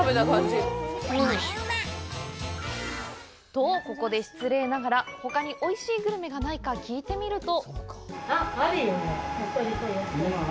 と、ここで失礼ながらほかにおいしいグルメがないか聞いてみると。